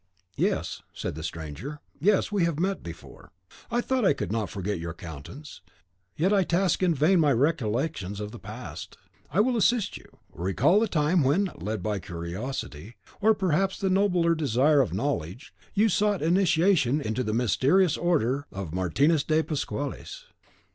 "Yes," said the stranger, "yes, we have met before." "I thought I could not forget your countenance; yet I task in vain my recollections of the past." "I will assist you. Recall the time when, led by curiosity, or perhaps the nobler desire of knowledge, you sought initiation into the mysterious order of Martines de Pasqualis."